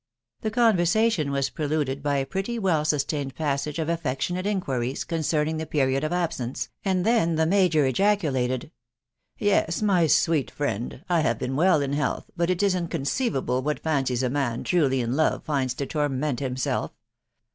The conversation was preluded by a pretty, wen auatamad passage of affectionate inquiries concerning the period of absence, and then the major ejaculated. ..." Yes, my friend 1 .... I have been well in health, ••.• bat it is n conceivable what fancies a man truly in love finds to torment himself!"